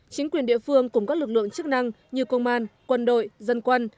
chính quyền địa phương cùng các lực lượng chức năng như công an quân đội dân quân